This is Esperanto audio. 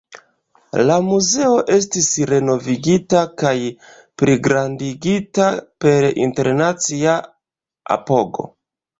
La muzeo estis renovigita kaj pligrandigita per internacia apogo.